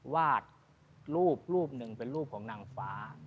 วาดรูปรูปหนึ่งเป็นรูปของนางฟ้า